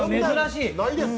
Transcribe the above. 珍しい。